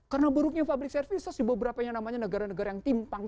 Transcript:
karena buruknya public services di beberapa yang namanya negara negara yang timpang